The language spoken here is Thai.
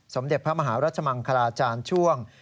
สมเด็จพระมหารัชมังคลาจารย์ช่วง